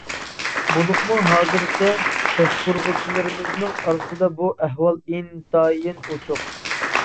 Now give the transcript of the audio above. بولۇپمۇ ھازىرقى باشقۇرغۇچىلىرىمىزنىڭ ئارىسىدا بۇ ئەھۋال ئىنتايىن ئوچۇق.